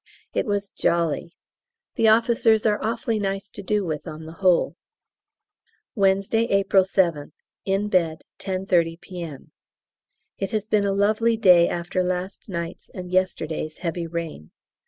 It was jolly. The officers are awfully nice to do with on the whole. Wednesday, April 7th. In bed, 10.30 P.M. It has been a lovely day after last night's and yesterday's heavy rain.